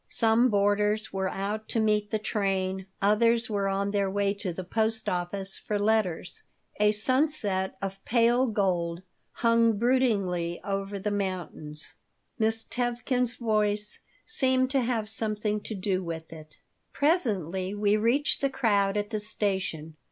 Some boarders were out to meet the train, others were on their way to the post office for letters. A sunset of pale gold hung broodingly over the mountains. Miss Tevkin's voice seemed to have something to do with it Presently we reached the crowd at the station.